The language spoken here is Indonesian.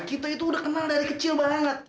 kita itu udah kenang dari kecil banget